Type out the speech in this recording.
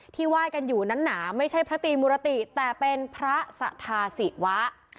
ไหว้กันอยู่นั้นหนาไม่ใช่พระตรีมุรติแต่เป็นพระสัทธาศิวะ